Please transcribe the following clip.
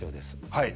はい！